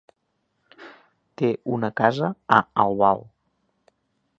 Té una casa a Albal.